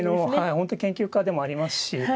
本当に研究家でもありますし